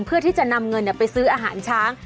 เพื่อที่จะนำเงินไปซื้ออาหารช้าง